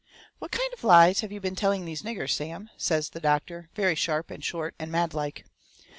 "What kind of lies have you been telling these niggers, Sam?" says the doctor, very sharp and short and mad like.